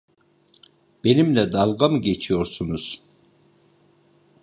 Benimle dalga mı geçiyorsunuz?